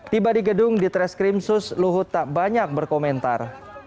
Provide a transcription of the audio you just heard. tiba di gedung ditres krimsus luhut tak banyak berkomentar